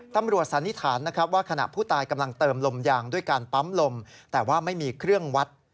สันนิษฐานนะครับว่าขณะผู้ตายกำลังเติมลมยางด้วยการปั๊มลมแต่ว่าไม่มีเครื่องวัด